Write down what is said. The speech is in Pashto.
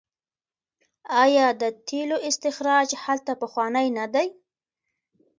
آیا د تیلو استخراج هلته پخوانی نه دی؟